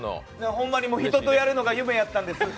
ホンマに人とやるのが夢やったんです。